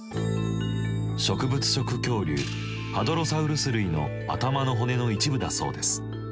植物食恐竜ハドロサウルス類の頭の骨の一部だそうです。